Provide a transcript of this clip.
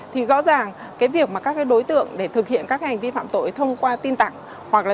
thì rõ ràng cái việc mà các cái đối tượng để thực hiện các hành vi phạm tội thông qua tin tặng hoặc là